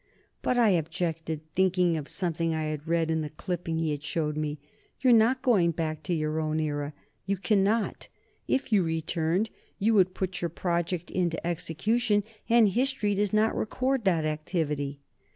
"But," I objected, thinking of something I had read in the clipping he had showed me, "you're not going back to your own era. You cannot. If you returned, you would put your project into execution, and history does not record that activity."